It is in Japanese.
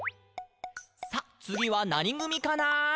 「さあ、つぎはなにぐみかな？」